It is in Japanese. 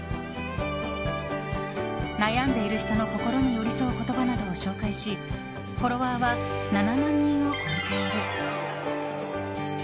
悩んでいる人の心に寄り添う言葉などを紹介しフォロワーは７万人を超えている。